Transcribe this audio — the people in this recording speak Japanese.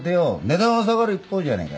値段は下がる一方じゃねえか。